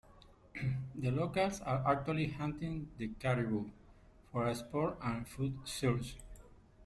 The locals were actually hunting the caribou, for a sport and a food source.